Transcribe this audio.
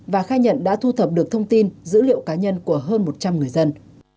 và khai nhận đã thu thập được thông tin dữ liệu cá nhân của hơn một trăm linh người dân